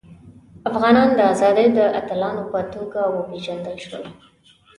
افغانان د ازادۍ د اتلانو په توګه وپيژندل شول.